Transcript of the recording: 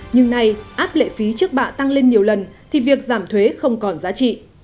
nhưng nay áp lệ phí trước bạ tăng lên nhiều lần thì việc giảm thuế không còn giá trị